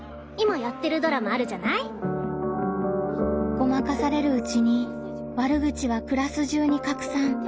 ごまかされるうちに悪口はクラス中に拡散。